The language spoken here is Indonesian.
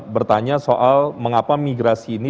bertanya soal mengapa migrasi ini